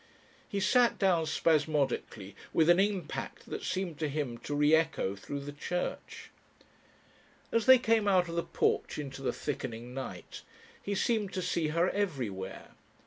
He sat down spasmodically, with an impact that seemed to him to re echo through the church. As they came out of the porch into the thickening night, he seemed to see her everywhere.